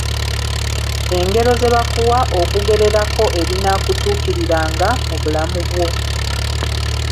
Engero ze bakuwa okugererako ebinaakutukiriranga mu bulamu bwo.